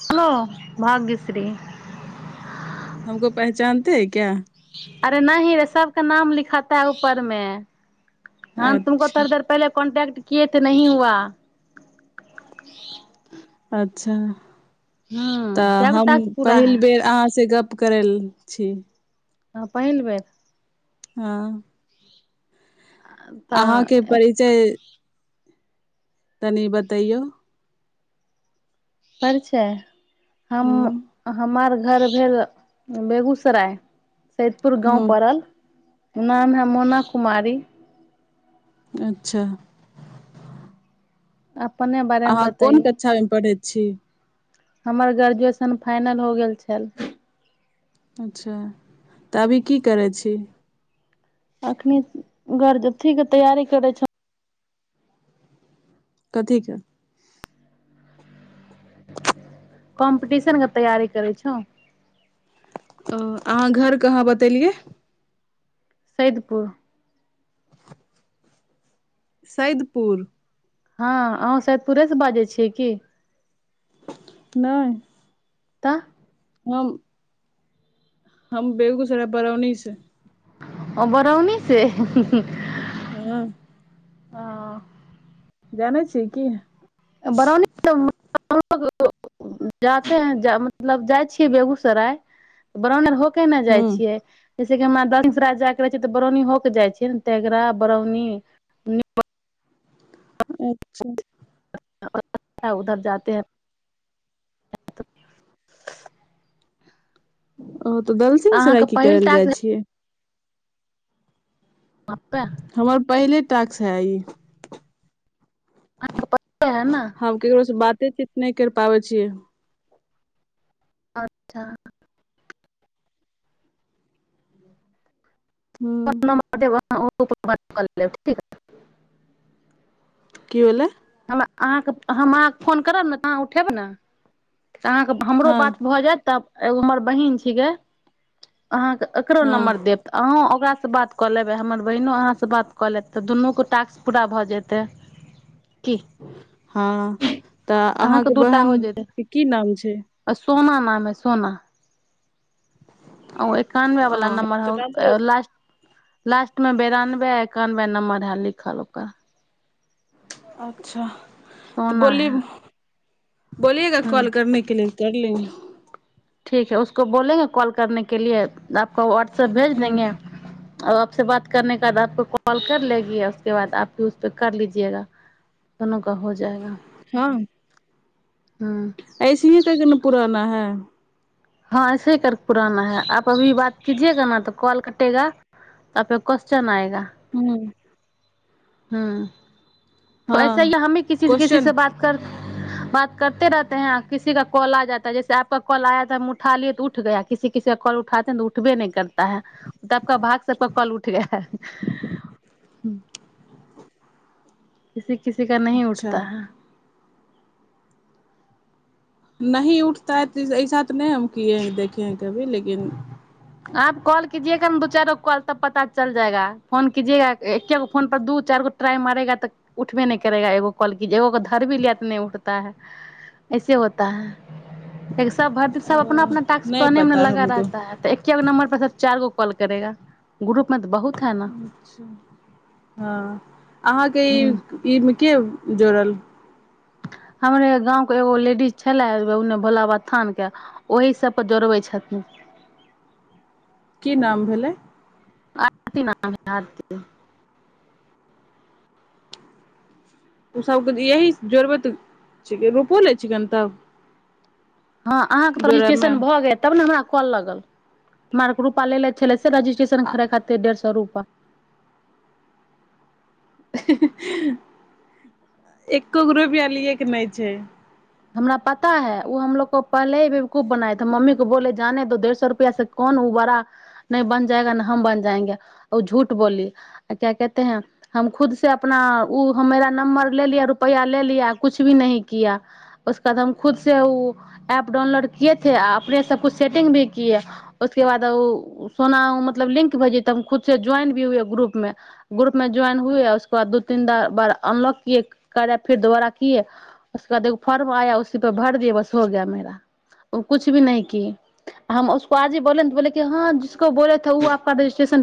hello Bhagyashree हम को पहचानतेै क्या अरे न ही रे सबके नाम लिखता है ऊपर मे ह तुमक अच्छा थोड़ देर पहिले कॉन्टै्ट के तऽ नहि हुआ अच्छा हूँ तऽ कै गो हम टास्क पूरा है पहिल बेर अहाँसँ गप करल छी ह पहिल बेेर हँ अहाँके तऽ परिचय तनी बतैयौ अच्छा हम हूँ हमर घर भेल बेगूसराय सैदपुर गाँव हूँ पड़ल नाम है मोना कुमारी अच्छा अप अहाँ कोन कक्षामे पढ़ैत छी हमर ग्रेजुएशन फाइनल हो गेल छल अच्छा तऽ अभी की करै छी एखनी घर अथीके तैयारी करै छौ कथीेकें कम्पिटिशनके तैयारी करै छौ अ अहाँ घर कहाँ बतेलियै सैदपुर सैदपुर हँ अहाँँ सैदपुरेसँ बाजै छीियै की नहि त हम हम बेगूसराय बरौनी से ओ बड़उनी से हँ ह जानय छी की बरौनी त लोग जाते हैं मतलब जाइ छियै बेगूसराय बरौनी होके केने जाइ हूँ छियै जैसेकि हमरा दनसरा जायके रहै छै तऽ बरौनी होकेऽ जाइ छिय ने तेघड़रा बरौनी अच्छा उधर जाे है हं ओ तऽ दलसिंह अहाँके सराय की पहिल कर ल टास्क जाइ छियै हमर पहिले टास्क है ई है ने हमे ककरोसँ बाते चीत नहि कर पाबै छियै अच्छा हू फोन नम्बर देब ओब ठ की भेलैय अहाँके हम अहाँकेँ फोन करब ने तऽ अहाँ उठेब ने तऽ अहाँके हमरो हँ बात भऽ जायत तब एगो हममर बहन छिके अहाँके एको हँ नमंबर देब अहुँ अहां सँ बात कऽ लेबै हमर बहिनो अहाँसँ बात कऽ लेत तऽ दुनूके टास्क पूरा भऽ जेतै की हँ तऽ अहाँके बहन के की नाम छै सोनाा नाम है सोना ओ एकानबे ओ वाला नम्बर तऽ हो लास्ट लास्टमे बेरानबे एकानबे नम्बर है लिखल ओकर अच्छा तऽ सोना बोलीय है बोलिएगा ह कॉल करने के लिए कर लेन [inaudible] [inaudible] ठीक है उसको बोलेगा कॉल करने के लि आपक वाट स भेज ह देंगे आ आपसँ बात करनेके बाद आपको कॉल कर लेगी उसके बाद आपके उसपे कर लीजियएगा दुोनू का हो जाएगा हँ हम्म ऐसी ही तो दुनू पुराना है हँं ऐसे ह कर पुराना है आप अभी बात कीजियेगा न तऽ कॉल कटेगापके क्वस््चन आएगा हुँ हँ त ऐसा हाँ ह हमे किसी न किसी क्वेश्चन से बात कर बात करते रहते है किसी का कल आ जाता है जैसे आपका कल आय त हम उठा लियै तऽ उठ गया किसी किसी का कल उठातेै तऽ उठबे न करता है तऽपक भाग सेक कल उठ गय है किसी किसी का नहीं अच्छा उठता है नहि उठता ऐसा उतने हम किए ह देखे है कभी लेकिन आप कॉल कीजियेगा ने दू चार गो कॉल तब पता चल जाएगा फोन कजग एकेगो फोन पर दू चार गो ट्राई मारेगा तऽ उठबे नहि करेगा एगो कॉल क एगो को धर भी लिया तऽ नहि उठता है ऐसे होता है सब अ सब अपना अपना टॉक्स नहि पढ़ने मे पता लगा हमको रहता है त एकगो नम्बर पर सब चार गो कॉल करेगा ग्रुप मे तऽ बहुत है न अच्छा हँ अहाँके ई ह ई मे के जुड़ल हमर गाँवके एगो लेडीज छलै ओनै भोलाबाबा स्थानके ओही सभपर जोड़बै छथिन की नाम भेलै आरती नाम है आरती ओ सभके यही जोड़बैत छिकै रुपओ लै छिकै ने तब हँ अहाँके तऽ जोड़यमे रजिस्ट्रेशन भऽ गेल तब ने हमरा कॉल लगल हमरा आर के रूपा लेले छलै रजिस्ट्रेशन आ करै खातिर डेढ़ सौ रू प एकोगो रूपैया लिएके नहि छै हमरा पता है ओ हमलोग को पहले हीकू बनायथे मम्मी को बोले जाने दो डढ़ सौ रुपया से कोन ओ बड़ा न बन जाएगा ने हम बन जाएंगे ओ झूठ बोली आ क्या कहे हैं हम खुद से अपना ओ मेरा नंबर ले लिया रुपया ले लिया कुछ भी नही किया उस के बाद हम खुद से ओ एप डाउनलोड किये थे आ अपने सब कुछ सेटिंग भी किये उसके बाद ओ सोना मतलब लिंक भेजी तब खुद से ज्वाइन भी हुए ग्रुप में ग्रुप में ज्वाइन हुए उसके बाद दू तीन बार अनलॉक किए कार्या फिर दोबारा किए उसके बाद एगो फॉर्म आया उसी पर भर दिय बस हो गय मेरा ओ कुछ भी नही की हम उसको आज ही बोले न तो बोले कि हँ जिसको बोले थे उ आप का रजिस्ट्रेशन